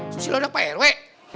susilo ada apa ya rwe